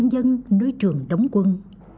dân nơi trường đóng quân